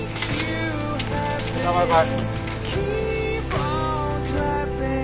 バイバイ。